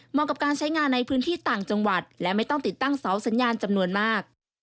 กับการใช้งานในพื้นที่ต่างจังหวัดและไม่ต้องติดตั้งเสาสัญญาณจำนวนมาก